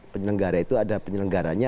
penyelenggara itu ada penyelenggaranya